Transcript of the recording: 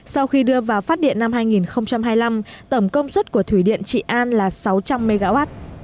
sau khi đưa vào phát điện năm hai nghìn hai mươi năm tổng công suất của thủy điện trị an là sáu trăm linh mw